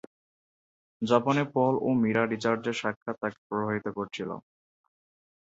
জাপানে পল ও মীরা রিচার্ডের সাক্ষাৎ তাকে প্রভাবিত করেছিল।